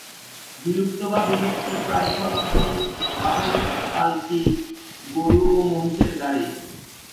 বিলুপ্ত বা বিলুপ্তপ্রায় সনাতন বাহন পালকি, গরু ও মহিষের গাড়ি।